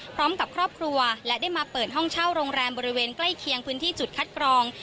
พร้อมกับครอบครัวและได้มาเปิดห้องเช่าโรงแรมบริเวณใกล้เคียงพื้นที่จุดคัดกรอง